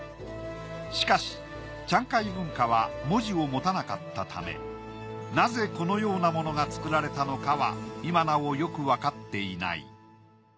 しかしチャンカイ文化は文字を持たなかったためなぜこのようなものが作られたのかは今なおよくわかっていない。